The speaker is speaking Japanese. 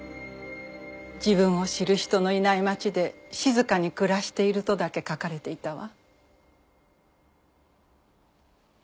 「自分を知る人のいない町で静かに暮らしている」とだけ書かれていたわ。